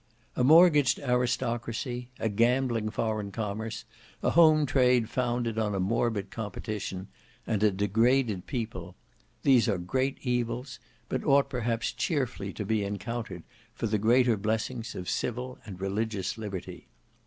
A mortgaged aristocracy, a gambling foreign commerce, a home trade founded on a morbid competition, and a degraded people; these are great evils, but ought perhaps cheerfully to be encountered for the greater blessings of civil and religious liberty.